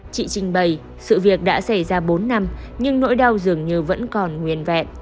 chị trình bày